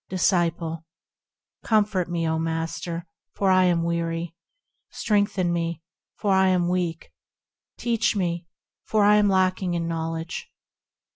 Disciple. Comfort me, O Master! for I am weary ; Strengthen me, for I am weak ; Teach me, for I am lacking in knowledge.